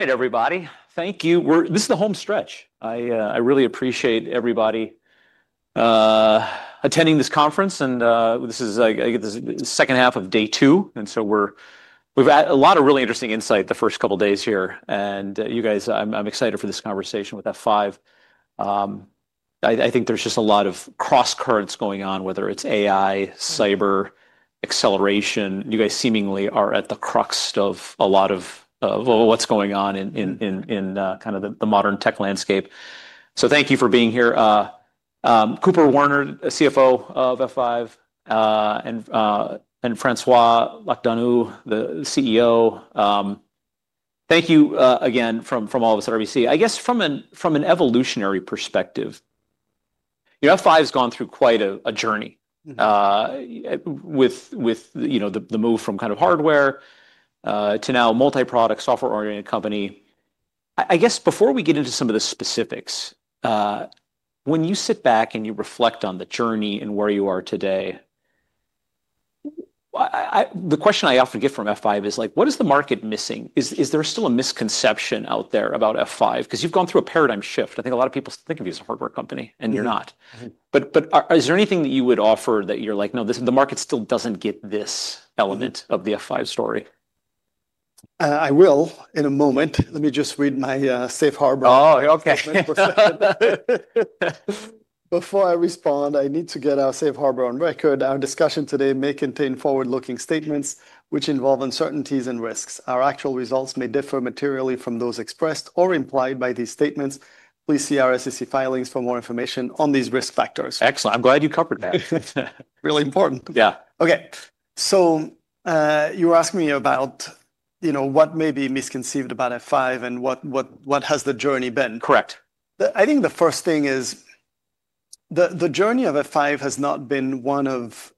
Hey, everybody. Thank you. This is the home stretch. I really appreciate everybody attending this conference. This is, I guess, the second half of day two. We have had a lot of really interesting insight the first couple of days here. You guys, I am excited for this conversation with F5. I think there is just a lot of cross currents going on, whether it is AI, cyber, acceleration. You guys seemingly are at the crux of a lot of what is going on in kind of the modern tech landscape. Thank you for being here. Cooper Werner, CFO of F5, and François Locoh-Donou, the CEO. Thank you again from all of us at RBC. I guess from an evolutionary perspective, F5 has gone through quite a journey with the move from kind of hardware to now a multi-product software-oriented company. I guess before we get into some of the specifics, when you sit back and you reflect on the journey and where you are today, the question I often get from F5 is, what is the market missing? Is there still a misconception out there about F5? Because you've gone through a paradigm shift. I think a lot of people think of you as a hardware company, and you're not. Is there anything that you would offer that you're like, no, the market still doesn't get this element of the F5 story? I will in a moment. Let me just read my safe harbor. Oh, OK. Before I respond, I need to get our safe harbor on record. Our discussion today may contain forward-looking statements which involve uncertainties and risks. Our actual results may differ materially from those expressed or implied by these statements. Please see our SEC filings for more information on these risk factors. Excellent. I'm glad you covered that. Really important. Yeah. OK. You were asking me about what may be misconceived about F5 and what has the journey been. Correct. I think the first thing is the journey of F5 has not been one of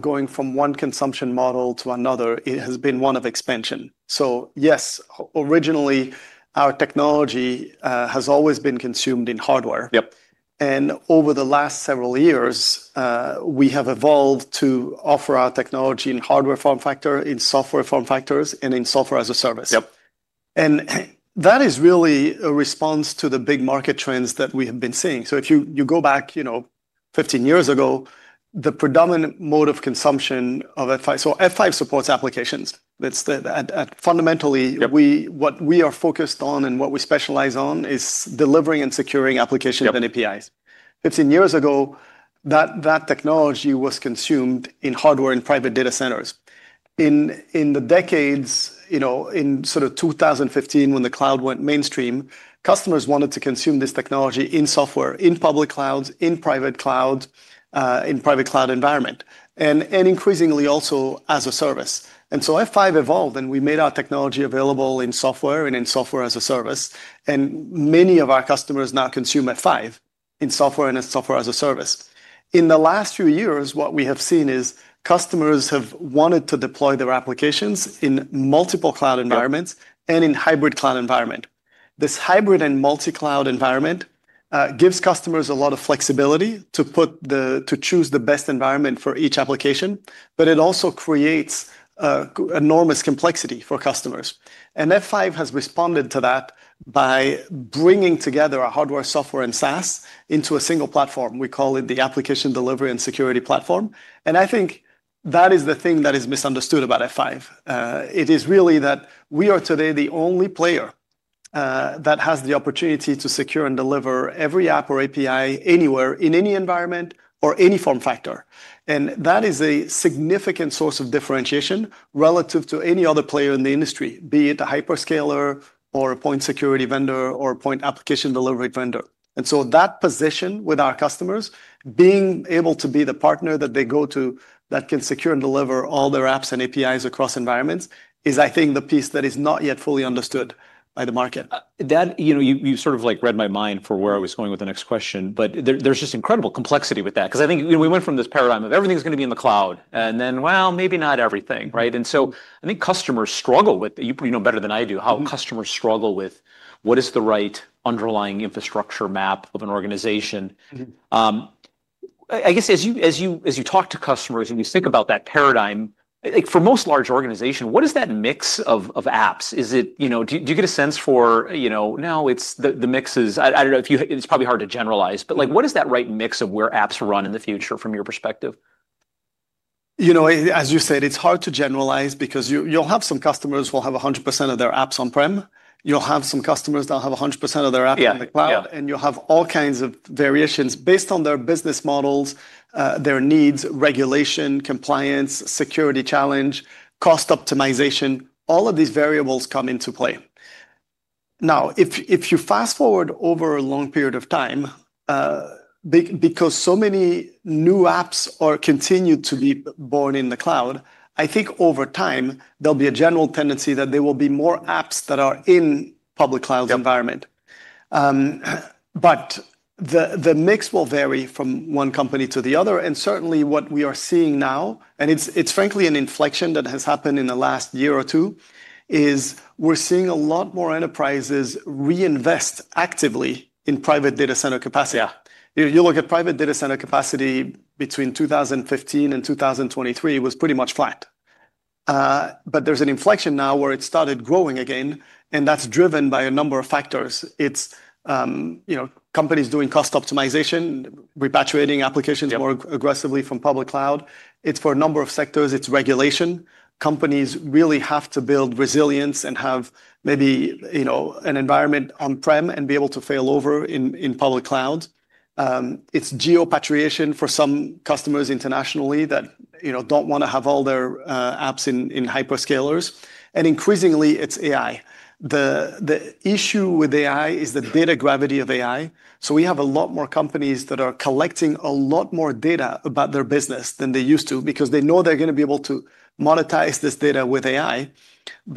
going from one consumption model to another. It has been one of expansion. Yes, originally, our technology has always been consumed in hardware. Yep. Over the last several years, we have evolved to offer our technology in hardware form factor, in software form factors, and in software as a service. Yep. That is really a response to the big market trends that we have been seeing. If you go back 15 years ago, the predominant mode of consumption of F5, so F5 supports applications. Fundamentally, what we are focused on and what we specialize on is delivering and securing applications and APIs. 15 years ago, that technology was consumed in hardware and private data centers. In the decades, in sort of 2015, when the cloud went mainstream, customers wanted to consume this technology in software, in public clouds, in private clouds, in private cloud environment, and increasingly also as a service. F5 evolved, and we made our technology available in software and in software as a service. Many of our customers now consume F5 in software and in software as a service. In the last few years, what we have seen is customers have wanted to deploy their applications in multiple cloud environments and in hybrid cloud environment. This hybrid and multi-cloud environment gives customers a lot of flexibility to choose the best environment for each application. It also creates enormous complexity for customers. F5 has responded to that by bringing together our hardware, software, and SaaS into a single platform. We call it the Application Delivery and Security Platform. I think that is the thing that is misunderstood about F5. It is really that we are today the only player that has the opportunity to secure and deliver every app or API anywhere, in any environment, or any form factor. That is a significant source of differentiation relative to any other player in the industry, be it a hyperscaler or a point security vendor or a point application delivery vendor. That position with our customers, being able to be the partner that they go to that can secure and deliver all their apps and APIs across environments, is, I think, the piece that is not yet fully understood by the market. You sort of read my mind for where I was going with the next question. There is just incredible complexity with that. I think we went from this paradigm of everything is going to be in the cloud. Then, maybe not everything. I think customers struggle with, you know better than I do, how customers struggle with what is the right underlying infrastructure map of an organization. I guess as you talk to customers and you think about that paradigm, for most large organizations, what is that mix of apps? Do you get a sense for, no, the mix is, I do not know if it is probably hard to generalize. What is that right mix of where apps run in the future from your perspective? You know, as you said, it's hard to generalize because you'll have some customers who will have 100% of their apps on-prem. You'll have some customers that will have 100% of their apps in the cloud. You will have all kinds of variations based on their business models, their needs, regulation, compliance, security challenge, cost optimization. All of these variables come into play. Now, if you fast forward over a long period of time, because so many new apps continue to be born in the cloud, I think over time, there'll be a general tendency that there will be more apps that are in public cloud environment. The mix will vary from one company to the other. Certainly, what we are seeing now, and it's frankly an inflection that has happened in the last year or two, is we're seeing a lot more enterprises reinvest actively in private data center capacity. You look at private data center capacity between 2015 and 2023, it was pretty much flat. There is an inflection now where it started growing again. That is driven by a number of factors. It's companies doing cost optimization, repatriating applications more aggressively from public cloud. It's for a number of sectors. It's regulation. Companies really have to build resilience and have maybe an environment on-prem and be able to fail over in public clouds. It's geopatriation for some customers internationally that don't want to have all their apps in hyperscalers. Increasingly, it's AI. The issue with AI is the data gravity of AI. We have a lot more companies that are collecting a lot more data about their business than they used to because they know they're going to be able to monetize this data with AI.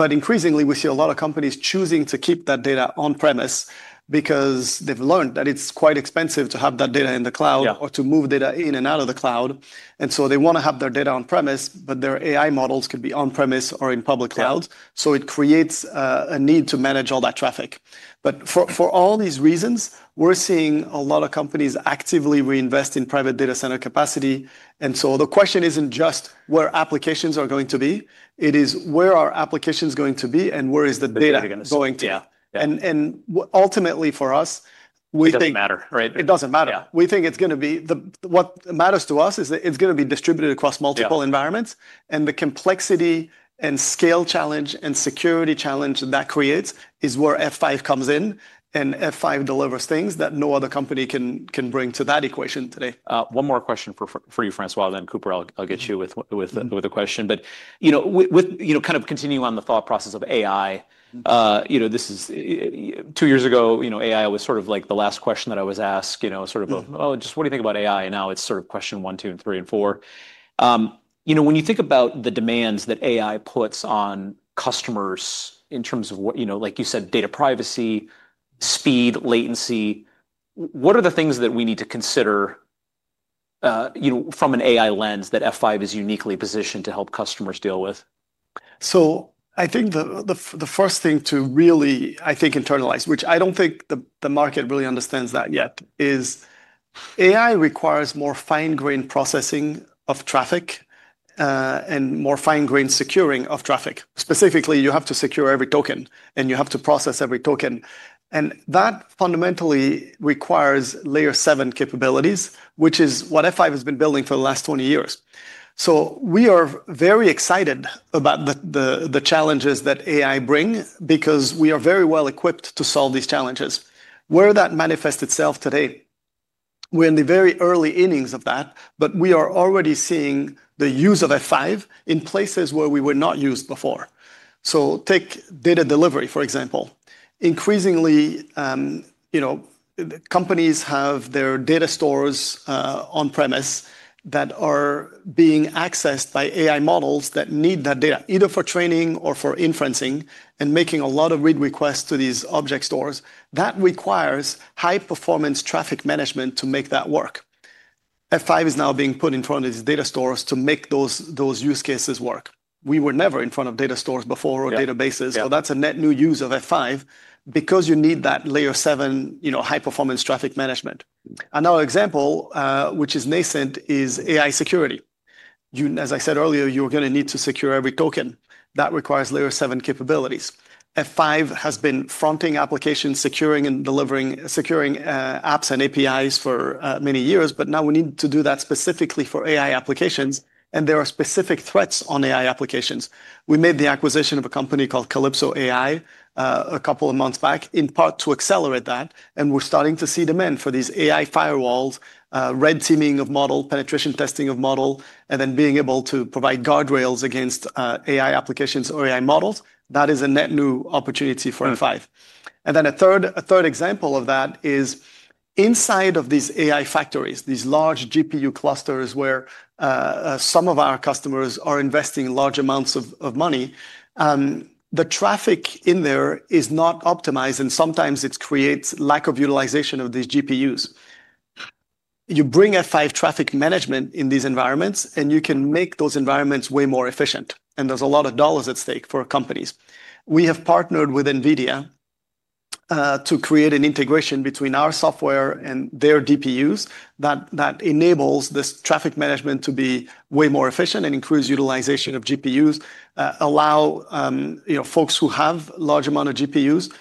Increasingly, we see a lot of companies choosing to keep that data on-premise because they've learned that it's quite expensive to have that data in the cloud or to move data in and out of the cloud. They want to have their data on-premise, but their AI models could be on-premise or in public clouds. It creates a need to manage all that traffic. For all these reasons, we're seeing a lot of companies actively reinvest in private data center capacity. The question isn't just where applications are going to be. It is where are applications going to be and where is the data going to be. Ultimately, for us, we think. It doesn't matter. It doesn't matter. We think it's going to be what matters to us is it's going to be distributed across multiple environments. The complexity and scale challenge and security challenge that that creates is where F5 comes in. F5 delivers things that no other company can bring to that equation today. One more question for you, François. Then, Cooper, I'll get you with a question. Kind of continuing on the thought process of AI, two years ago, AI was sort of like the last question that I was asked, sort of, oh, just what do you think about AI? Now it's sort of question one, two, three, and four. When you think about the demands that AI puts on customers in terms of, like you said, data privacy, speed, latency, what are the things that we need to consider from an AI lens that F5 is uniquely positioned to help customers deal with? I think the first thing to really, I think, internalize, which I don't think the market really understands yet, is AI requires more fine-grained processing of traffic and more fine-grained securing of traffic. Specifically, you have to secure every token, and you have to process every token. That fundamentally requires layer seven capabilities, which is what F5 has been building for the last 20 years. We are very excited about the challenges that AI brings because we are very well equipped to solve these challenges. Where that manifests itself today, we're in the very early innings of that. We are already seeing the use of F5 in places where we were not used before. Take data delivery, for example. Increasingly, companies have their data stores on-premise that are being accessed by AI models that need that data, either for training or for inferencing and making a lot of read requests to these object stores. That requires high-performance traffic management to make that work. F5 is now being put in front of these data stores to make those use cases work. We were never in front of data stores before or databases. That is a net new use of F5 because you need that layer seven high-performance traffic management. Another example, which is nascent, is AI security. As I said earlier, you're going to need to secure every token. That requires layer seven capabilities. F5 has been fronting applications, securing and delivering apps and APIs for many years. Now we need to do that specifically for AI applications. There are specific threats on AI applications. We made the acquisition of a company called CalypsoAI a couple of months back, in part to accelerate that. We are starting to see demand for these AI firewalls, red teaming of models, penetration testing of models, and then being able to provide guardrails against AI applications or AI models. That is a net new opportunity for F5. A third example of that is inside of these AI factories, these large GPU clusters where some of our customers are investing large amounts of money. The traffic in there is not optimized. Sometimes it creates lack of utilization of these GPUs. You bring F5 traffic management in these environments, and you can make those environments way more efficient. There is a lot of dollars at stake for companies. We have partnered with NVIDIA to create an integration between our software and their GPUs that enables this traffic management to be way more efficient and increase utilization of GPUs, allow folks who have a large amount of GPUs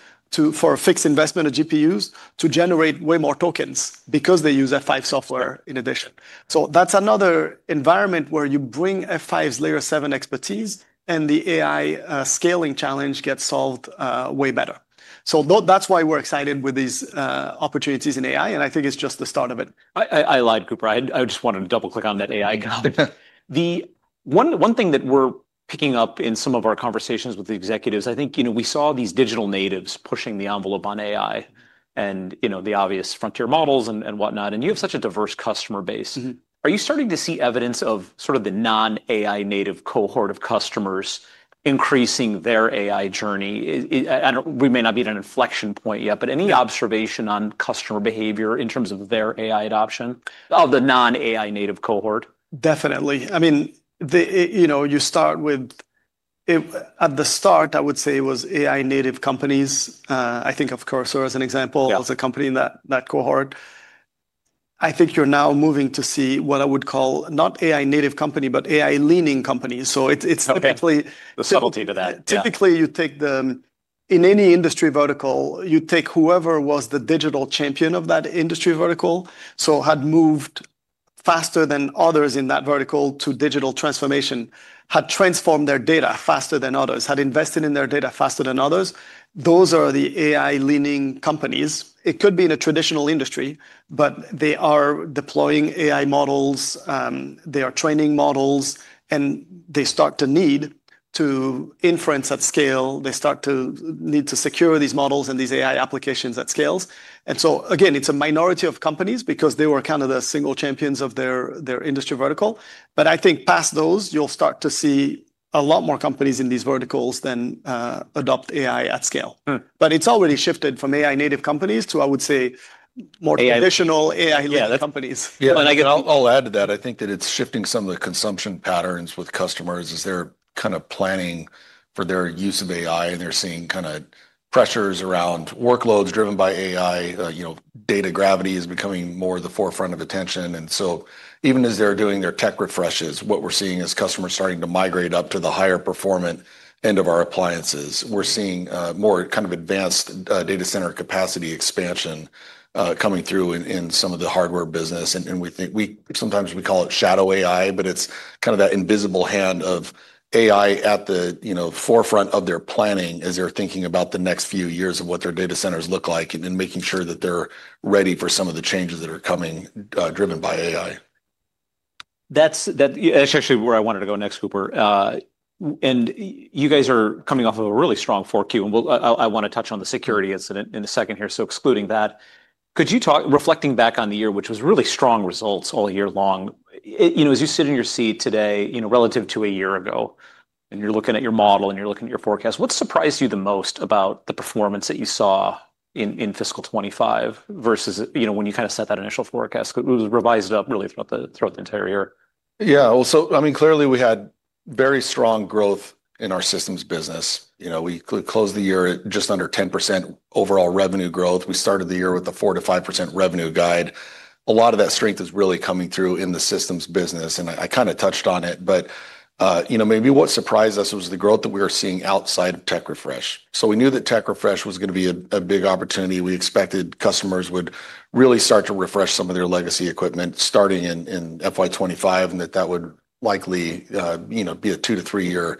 for a fixed investment of GPUs to generate way more tokens because they use F5 software in addition. That is another environment where you bring F5's layer seven expertise, and the AI scaling challenge gets solved way better. That is why we're excited with these opportunities in AI. I think it's just the start of it. I lied, Cooper. I just wanted to double-click on that AI guy. One thing that we're picking up in some of our conversations with the executives, I think we saw these digital natives pushing the envelope on AI and the obvious frontier models and whatnot. You have such a diverse customer base. Are you starting to see evidence of sort of the non-AI native cohort of customers increasing their AI journey? We may not be at an inflection point yet. Any observation on customer behavior in terms of their AI adoption of the non-AI native cohort? Definitely. I mean, you start with at the start, I would say it was AI native companies. I think, of course, as an example, there was a company in that cohort. I think you're now moving to see what I would call not AI native company, but AI leaning companies. So it's typically. The subtlety to that. Typically, you take the, in any industry vertical, you take whoever was the digital champion of that industry vertical, so had moved faster than others in that vertical to digital transformation, had transformed their data faster than others, had invested in their data faster than others. Those are the AI leaning companies. It could be in a traditional industry, but they are deploying AI models. They are training models. They start to need to inference at scale. They start to need to secure these models and these AI applications at scale. It is a minority of companies because they were kind of the single champions of their industry vertical. I think past those, you'll start to see a lot more companies in these verticals then adopt AI at scale. It has already shifted from AI native companies to, I would say, more traditional AI-led companies. Yeah. I'll add to that. I think that it's shifting some of the consumption patterns with customers as they're kind of planning for their use of AI. They're seeing kind of pressures around workloads driven by AI. Data gravity is becoming more of the forefront of attention. Even as they're doing their tech refreshes, what we're seeing is customers starting to migrate up to the higher performance end of our appliances. We're seeing more kind of advanced data center capacity expansion coming through in some of the hardware business. We think sometimes we call it shadow AI, but it's kind of that invisible hand of AI at the forefront of their planning as they're thinking about the next few years of what their data centers look like and then making sure that they're ready for some of the changes that are coming driven by AI. That's actually where I wanted to go next, Cooper. You guys are coming off of a really strong fourth quarter. I want to touch on the security incident in a second here. Excluding that, could you talk, reflecting back on the year, which was really strong results all year long, as you sit in your seat today relative to a year ago, and you're looking at your model and you're looking at your forecast, what surprised you the most about the performance that you saw in fiscal 2025 versus when you kind of set that initial forecast? It was revised up really throughout the entire year. Yeah. I mean, clearly, we had very strong growth in our systems business. We closed the year at just under 10% overall revenue growth. We started the year with a 4%-5% revenue guide. A lot of that strength is really coming through in the systems business. I kind of touched on it. Maybe what surprised us was the growth that we were seeing outside of tech refresh. We knew that tech refresh was going to be a big opportunity. We expected customers would really start to refresh some of their legacy equipment starting in fiscal year 2025 and that that would likely be a two- to three-year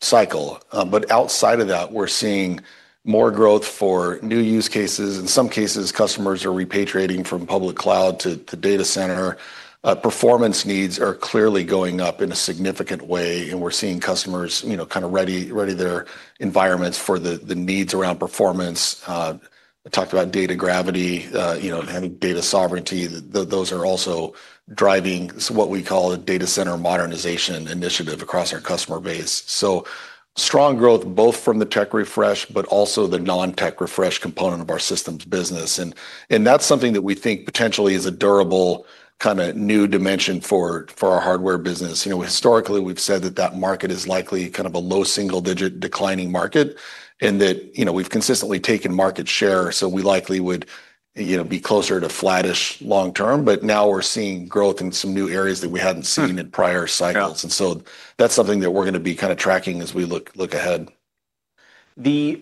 cycle. Outside of that, we're seeing more growth for new use cases. In some cases, customers are repatriating from public cloud to data center. Performance needs are clearly going up in a significant way. We are seeing customers kind of ready their environments for the needs around performance. I talked about data gravity, having data sovereignty. Those are also driving what we call a data center modernization initiative across our customer base. There is strong growth, both from the tech refresh, but also the non-tech refresh component of our systems business. That is something that we think potentially is a durable kind of new dimension for our hardware business. Historically, we have said that that market is likely kind of a low single-digit declining market and that we have consistently taken market share. We likely would be closer to flattish long term. Now we are seeing growth in some new areas that we had not seen in prior cycles. That is something that we are going to be kind of tracking as we look ahead. I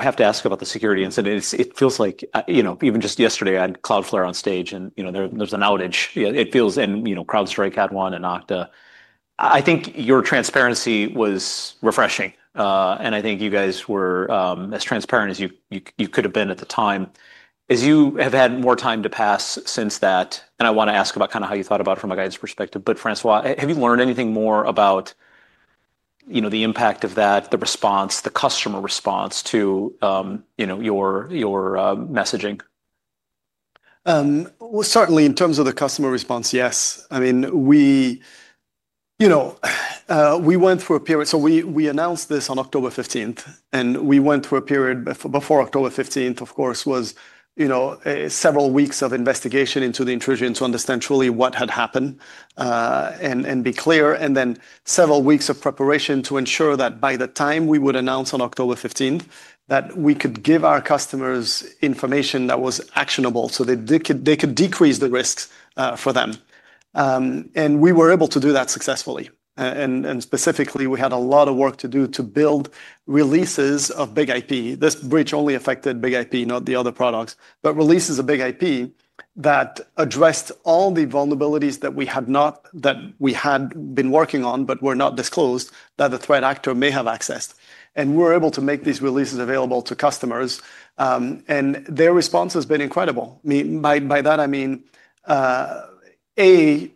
have to ask about the security incident. It feels like even just yesterday, I had Cloudflare on stage. And there's an outage. It feels and CrowdStrike had one and Okta. I think your transparency was refreshing. I think you guys were as transparent as you could have been at the time. As you have had more time to pass since that, and I want to ask about kind of how you thought about it from a guidance perspective. François, have you learned anything more about the impact of that, the response, the customer response to your messaging? Certainly, in terms of the customer response, yes. I mean, we went through a period. We announced this on October 15. We went through a period before October 15, of course, with several weeks of investigation into the intrusion to understand truly what had happened and be clear. There were several weeks of preparation to ensure that by the time we would announce on October 15, we could give our customers information that was actionable so they could decrease the risks for them. We were able to do that successfully. Specifically, we had a lot of work to do to build releases of BIG-IP. This breach only affected BIG-IP, not the other products, but releases of BIG-IP that addressed all the vulnerabilities that we had, not that we had been working on but were not disclosed, that the threat actor may have accessed. We were able to make these releases available to customers. Their response has been incredible. By that, I mean, A,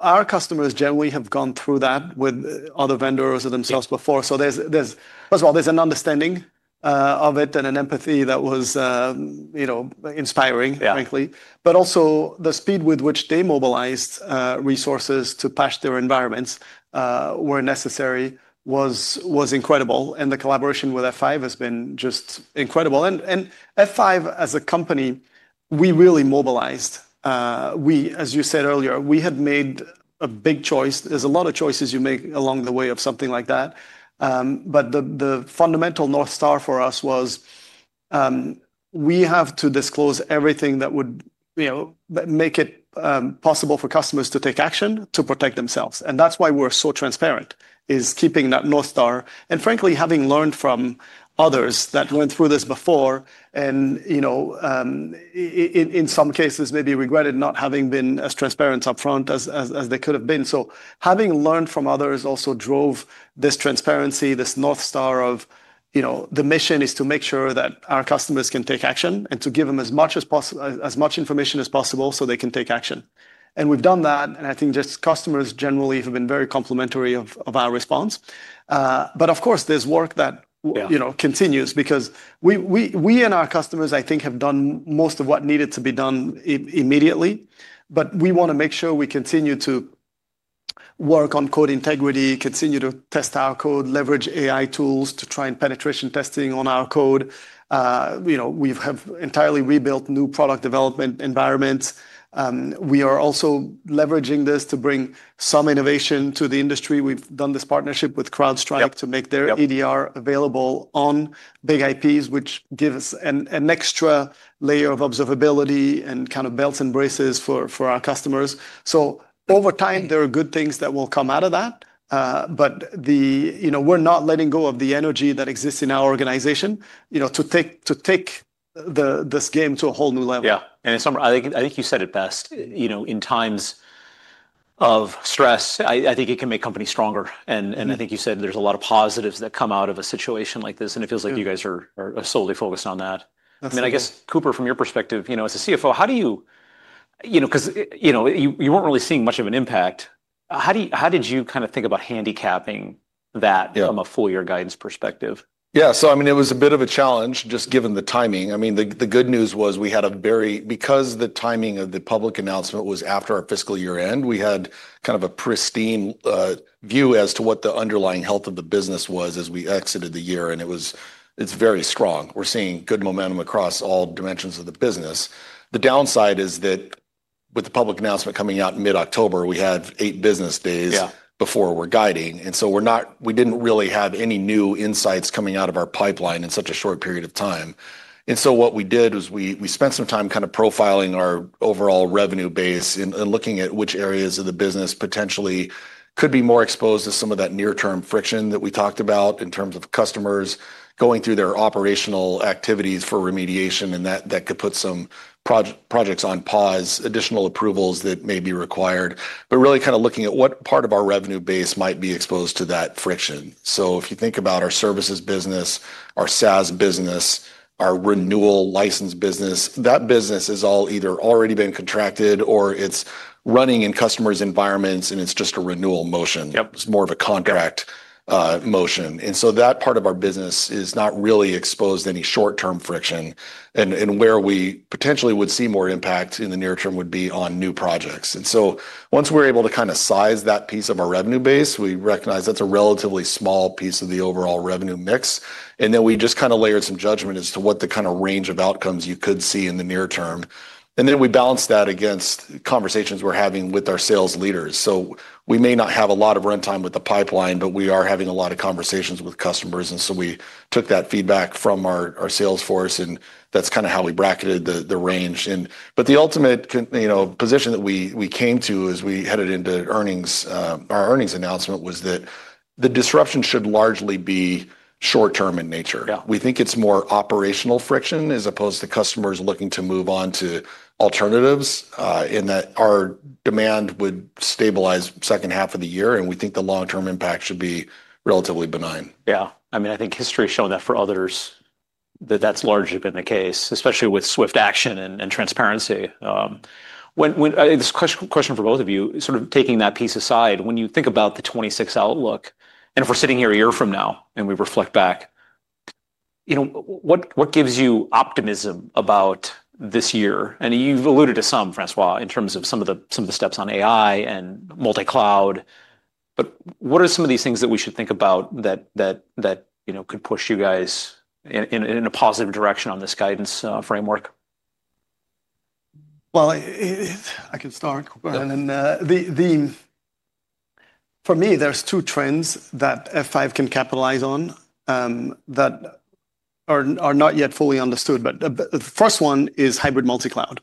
our customers generally have gone through that with other vendors or themselves before. First of all, there is an understanding of it and an empathy that was inspiring, frankly. Also, the speed with which they mobilized resources to patch their environments where necessary was incredible. The collaboration with F5 has been just incredible. F5, as a company, we really mobilized. As you said earlier, we had made a big choice. There are a lot of choices you make along the way of something like that. The fundamental North Star for us was we have to disclose everything that would make it possible for customers to take action to protect themselves. That is why we are so transparent, keeping that North Star. Frankly, having learned from others that went through this before and in some cases, maybe regretted not having been as transparent upfront as they could have been. Having learned from others also drove this transparency. This North Star of the mission is to make sure that our customers can take action and to give them as much information as possible so they can take action. We have done that. I think just customers generally have been very complimentary of our response. Of course, there is work that continues because we and our customers, I think, have done most of what needed to be done immediately. We want to make sure we continue to work on code integrity, continue to test our code, leverage AI tools to try and penetration testing on our code. We have entirely rebuilt new product development environments. We are also leveraging this to bring some innovation to the industry. We have done this partnership with CrowdStrike to make their EDR available on BIG-IP, which gives us an extra layer of observability and kind of belts and braces for our customers. Over time, there are good things that will come out of that. We are not letting go of the energy that exists in our organization to take this game to a whole new level. Yeah. I think you said it best. In times of stress, I think it can make companies stronger. I think you said there's a lot of positives that come out of a situation like this. It feels like you guys are solely focused on that. I mean, I guess, Cooper, from your perspective, as CFO, how do you, because you weren't really seeing much of an impact, how did you kind of think about handicapping that from a full-year guidance perspective? Yeah. I mean, it was a bit of a challenge just given the timing. I mean, the good news was we had a very, because the timing of the public announcement was after our fiscal year end, we had kind of a pristine view as to what the underlying health of the business was as we exited the year. And it's very strong. We're seeing good momentum across all dimensions of the business. The downside is that with the public announcement coming out in mid-October, we had eight business days before we're guiding. We didn't really have any new insights coming out of our pipeline in such a short period of time. What we did was we spent some time kind of profiling our overall revenue base and looking at which areas of the business potentially could be more exposed to some of that near-term friction that we talked about in terms of customers going through their operational activities for remediation and that could put some projects on pause, additional approvals that may be required, but really kind of looking at what part of our revenue base might be exposed to that friction. If you think about our services business, our SaaS business, our renewal license business, that business has all either already been contracted or it is running in customers' environments, and it is just a renewal motion. It is more of a contract motion. That part of our business is not really exposed to any short-term friction. Where we potentially would see more impact in the near term would be on new projects. Once we're able to kind of size that piece of our revenue base, we recognize that's a relatively small piece of the overall revenue mix. We just kind of layered some judgment as to what the kind of range of outcomes you could see in the near term. We balanced that against conversations we're having with our sales leaders. We may not have a lot of runtime with the pipeline, but we are having a lot of conversations with customers. We took that feedback from our sales force. That's kind of how we bracketed the range. The ultimate position that we came to as we headed into our earnings announcement was that the disruption should largely be short-term in nature. We think it's more operational friction as opposed to customers looking to move on to alternatives in that our demand would stabilize second half of the year. We think the long-term impact should be relatively benign. Yeah. I mean, I think history has shown that for others that that's largely been the case, especially with swift action and transparency. This question for both of you, sort of taking that piece aside, when you think about the 2026 outlook, and if we're sitting here a year from now and we reflect back, what gives you optimism about this year? You've alluded to some, François, in terms of some of the steps on AI and multi-cloud. What are some of these things that we should think about that could push you guys in a positive direction on this guidance framework? I can start. For me, there's two trends that F5 can capitalize on that are not yet fully understood. The first one is hybrid multi-cloud.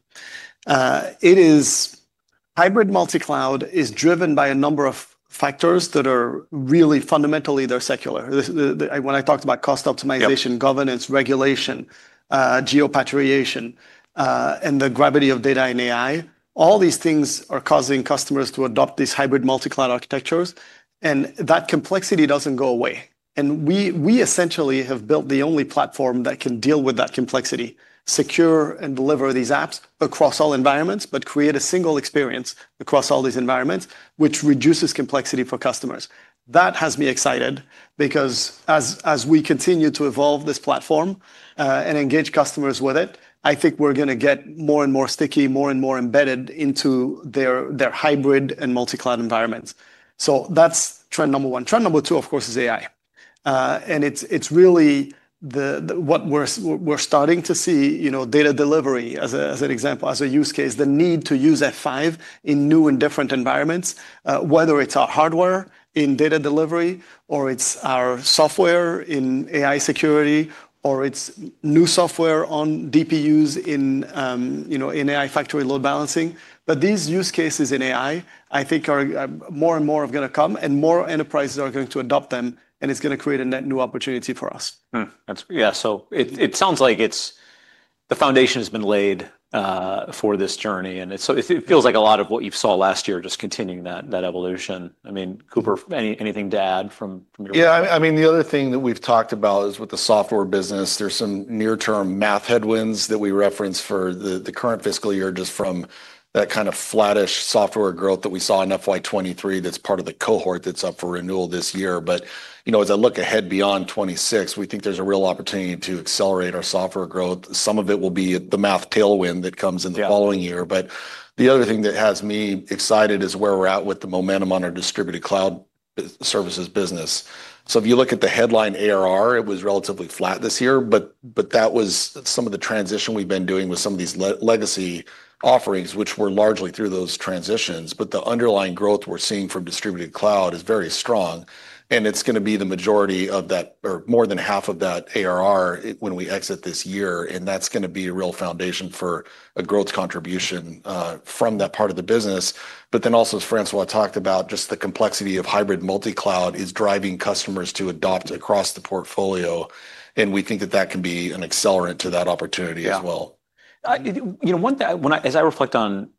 Hybrid multi-cloud is driven by a number of factors that are really fundamentally secular. When I talked about cost optimization, governance, regulation, geopatrioticization, and the gravity of data and AI, all these things are causing customers to adopt these hybrid multi-cloud architectures. That complexity does not go away. We essentially have built the only platform that can deal with that complexity, secure and deliver these apps across all environments, but create a single experience across all these environments, which reduces complexity for customers. That has me excited because as we continue to evolve this platform and engage customers with it, I think we're going to get more and more sticky, more and more embedded into their hybrid and multi-cloud environments. That's trend number one. Trend number two, of course, is AI. And it's really what we're starting to see, data delivery as an example, as a use case, the need to use F5 in new and different environments, whether it's our hardware in data delivery, or it's our software in AI security, or it's new software on DPUs in AI factory load balancing. But these use cases in AI, I think, are more and more going to come, and more enterprises are going to adopt them. And it's going to create a net new opportunity for us. Yeah. It sounds like the foundation has been laid for this journey. It feels like a lot of what you saw last year just continuing that evolution. I mean, Cooper, anything to add from your perspective? Yeah. I mean, the other thing that we've talked about is with the software business, there's some near-term math headwinds that we referenced for the current fiscal year just from that kind of flattish software growth that we saw in fiscal year 2023 that's part of the cohort that's up for renewal this year. As I look ahead beyond 2026, we think there's a real opportunity to accelerate our software growth. Some of it will be the math tailwind that comes in the following year. The other thing that has me excited is where we're at with the momentum on our distributed cloud services business. If you look at the headline ARR, it was relatively flat this year. That was some of the transition we've been doing with some of these legacy offerings, which were largely through those transitions. The underlying growth we're seeing from distributed cloud is very strong. It's going to be the majority of that or more than half of that ARR when we exit this year. That's going to be a real foundation for a growth contribution from that part of the business. Also, as François talked about, just the complexity of hybrid multi-cloud is driving customers to adopt across the portfolio. We think that that can be an accelerant to that opportunity as well. As I reflect on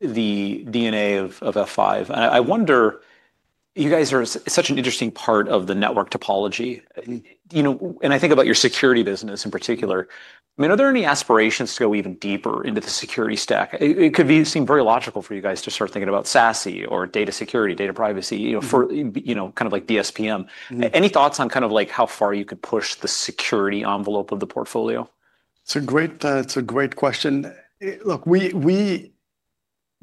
the DNA of F5, I wonder, you guys are such an interesting part of the network topology. I think about your security business in particular. I mean, are there any aspirations to go even deeper into the security stack? It could seem very logical for you guys to start thinking about SASE or data security, data privacy, kind of like DSPM. Any thoughts on kind of how far you could push the security envelope of the portfolio? It's a great question. Look,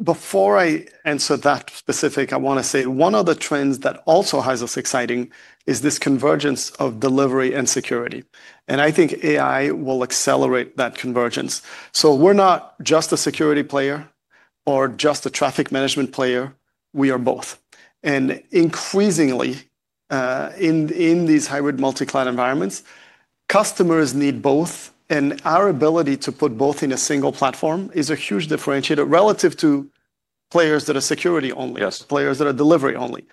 before I answer that specific, I want to say one of the trends that also has us excited is this convergence of delivery and security. I think AI will accelerate that convergence. We are not just a security player or just a traffic management player. We are both. Increasingly, in these hybrid multi-cloud environments, customers need both. Our ability to put both in a single platform is a huge differentiator relative to players that are security only, players that are delivery only.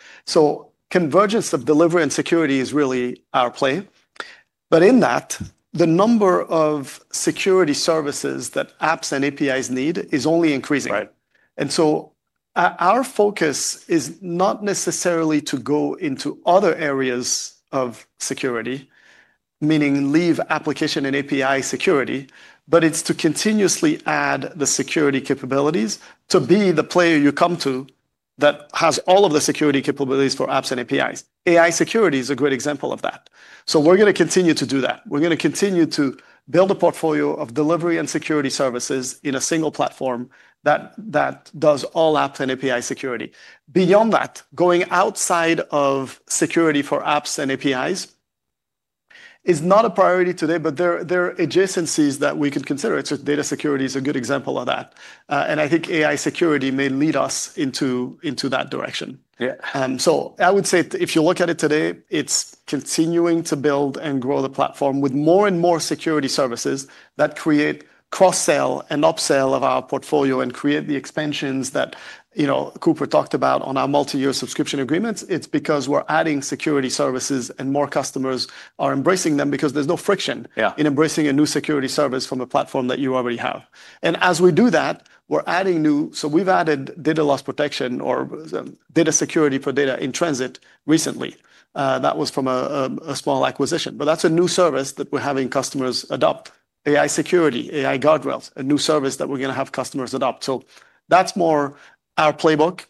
Convergence of delivery and security is really our play. In that, the number of security services that apps and APIs need is only increasing. Our focus is not necessarily to go into other areas of security, meaning leave application and API security, but it's to continuously add the security capabilities to be the player you come to that has all of the security capabilities for apps and APIs. AI security is a great example of that. We're going to continue to do that. We're going to continue to build a portfolio of delivery and security services in a single platform that does all apps and API security. Beyond that, going outside of security for apps and APIs is not a priority today, but there are adjacencies that we could consider. Data security is a good example of that. I think AI security may lead us into that direction. I would say if you look at it today, it's continuing to build and grow the platform with more and more security services that create cross-sell and upsell of our portfolio and create the expansions that Cooper talked about on our multi-year subscription agreements. It's because we're adding security services and more customers are embracing them because there's no friction in embracing a new security service from a platform that you already have. As we do that, we're adding new. We've added data loss protection or data security for data in transit recently. That was from a small acquisition. That's a new service that we're having customers adopt: AI security, AI guardrails, a new service that we're going to have customers adopt. That's more our playbook: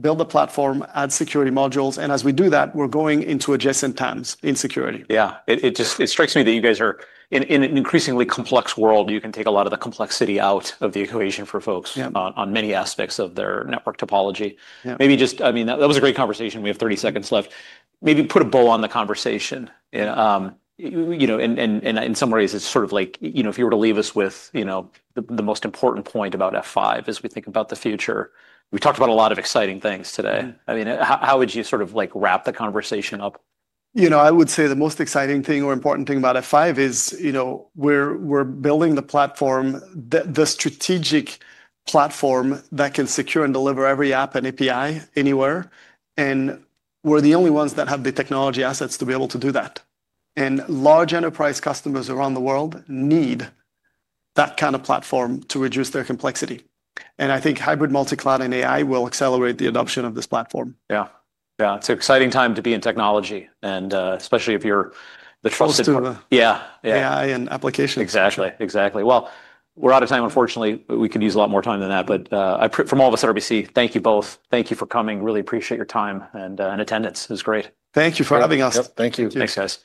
build a platform, add security modules. As we do that, we're going into adjacent times in security. Yeah. It strikes me that you guys are, in an increasingly complex world, you can take a lot of the complexity out of the equation for folks on many aspects of their network topology. Maybe just, I mean, that was a great conversation. We have 30 seconds left. Maybe put a bow on the conversation. In some ways, it's sort of like if you were to leave us with the most important point about F5 as we think about the future, we talked about a lot of exciting things today. I mean, how would you sort of wrap the conversation up? You know, I would say the most exciting thing or important thing about F5 is we're building the platform, the strategic platform that can secure and deliver every app and API anywhere. We're the only ones that have the technology assets to be able to do that. Large enterprise customers around the world need that kind of platform to reduce their complexity. I think hybrid multi-cloud and AI will accelerate the adoption of this platform. Yeah. Yeah. It's an exciting time to be in technology, and especially if you're the trusted. Trusted with AI and applications. Exactly. Exactly. We are out of time, unfortunately. We could use a lot more time than that. From all of us at RBC, thank you both. Thank you for coming. Really appreciate your time and attendance. It was great. Thank you for having us. Thank you. Thanks.